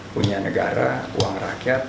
punya negara uang rakyat